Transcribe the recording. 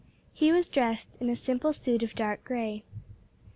He was dressed in a simple suit of dark grey.